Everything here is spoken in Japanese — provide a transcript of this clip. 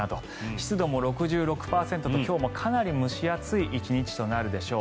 湿度も６６％と今日もかなり蒸し暑い１日となるでしょう。